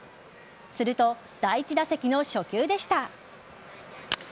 すると、第１打席の初球でした。